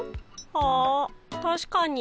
あたしかに。